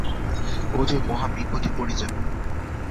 ও যে মহা বিপদে পড়ে যাবে।